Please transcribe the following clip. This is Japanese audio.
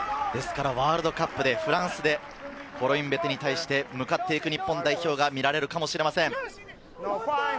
ワールドカップでフランスで、コロインベテに対して向かっていく日本代表が見られるかもしれません。